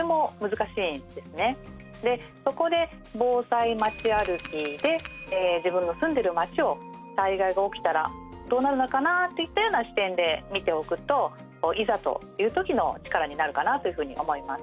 そこで防災まちあるきで自分の住んでる町を災害が起きたらどうなるのかなっていったような視点で見ておくといざという時の力になるかなというふうに思います。